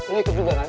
lo ikut juga kan